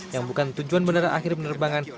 yang bukan tujuan bandara akhir penerbangan